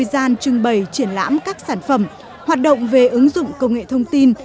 bảy mươi gian trưng bày triển lãm các sản phẩm hoạt động về ứng dụng công nghệ thông tin